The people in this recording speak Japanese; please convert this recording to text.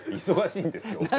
忙しいんですよ